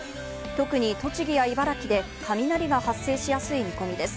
特に栃木や茨城で雷が発生しやすい見込みです。